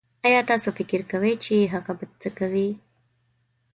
ايا تاسو فکر کوي چې هغه به سه کوئ